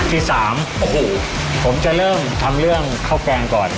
ที่๓ผมจะเริ่มทำเคราะห์กงก่อน